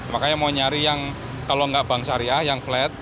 makanya mau nyari yang kalau nggak bank syariah yang flat